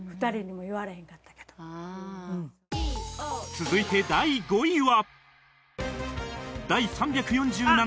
続いて第５位は